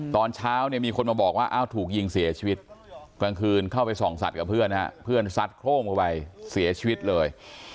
ตอนเช้าเนี่ยมีคนมาบอกว่าอ้าวถูกยิงเสียชีวิตกลางคืนเข้าไปส่องสัตว์กับเพื่อนฮะเพื่อนซัดโคร่มเข้าไปเสียชีวิตเลย